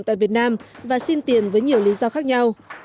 tại việt nam và xin tiền với nhiều lý do khác nhau